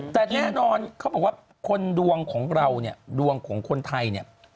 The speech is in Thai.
แต่แน่นอนเขาบอกว่าคนดวงของเราดวงของคนไทย